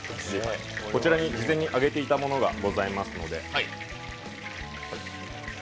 こちらに事前に揚げていたものがございますので。